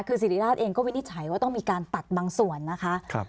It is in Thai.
คือสิริราชเองก็วินิจฉัยว่าต้องมีการตัดบางส่วนนะคะ